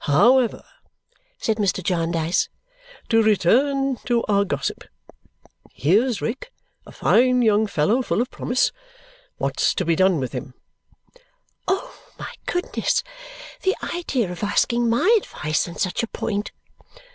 "However," said Mr. Jarndyce, "to return to our gossip. Here's Rick, a fine young fellow full of promise. What's to be done with him?" Oh, my goodness, the idea of asking my advice on such a point!